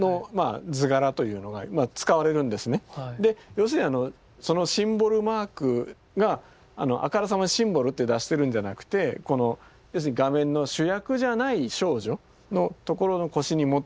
要するにそのシンボルマークがあからさまにシンボルって出してるんじゃなくて要するに画面の主役じゃない少女のところの腰に持ってると。